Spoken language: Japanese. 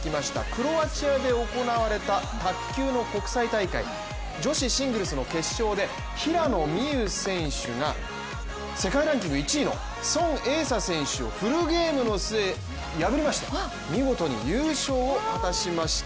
クロアチアで行われた卓球の国際大会女子シングルスの決勝で平野美宇選手が世界ランキング１位のソン・エイサ選手をフルゲームの末、破りまして見事に優勝を果たしました。